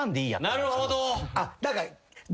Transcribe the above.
なるほど。